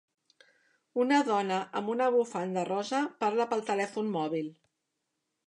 Una dona amb una bufanda rosa parla pel telèfon mòbil.